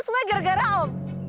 semuanya gara gara om